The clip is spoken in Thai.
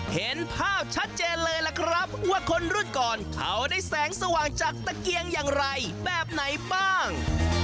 เห็นภาพชัดเจนเลยล่ะครับว่าคนรุ่นก่อนเขาได้แสงสว่างจากตะเกียงอย่างไรแบบไหนบ้าง